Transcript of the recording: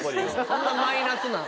そんなマイナスなん？